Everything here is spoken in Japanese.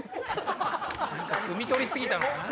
酌み取り過ぎたのかな？